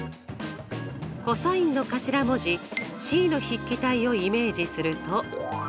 ｃｏｓの頭文字Ｃの筆記体をイメージすると。